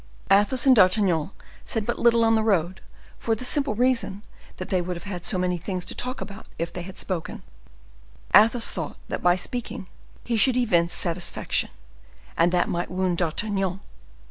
Athos and D'Artagnan said but little on the road, for the simple reason that they would have had so many things to talk about if they had spoken. Athos thought that by speaking he should evince satisfaction, and that might wound D'Artagnan.